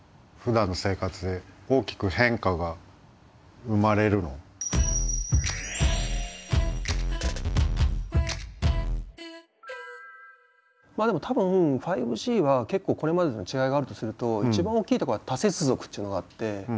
ふだんの生活で大きく変化が生まれるの？でもたぶん５Ｇは結構これまでとの違いがあるとすると一番大きいとこは「多接続」っていうのがあって。